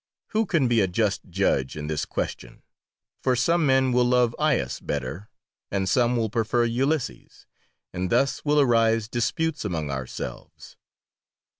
Who can be a just judge in this question, for some men will love Aias better, and some will prefer Ulysses, and thus will arise disputes among ourselves.